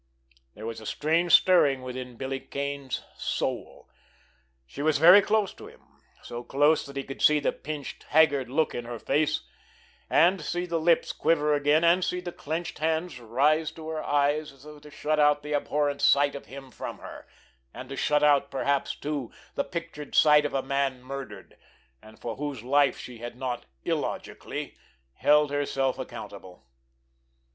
There was a strange stirring within Billy Kane's soul. She was very close to him, so close that he could see the pinched, haggard look in her face, and see the lips quiver again, and see the clenched hands rise to her eyes as though to shut out the abhorrent sight of him from her, and to shut out perhaps, too, the pictured sight of a man murdered, and for whose life she not illogically held herself accountable.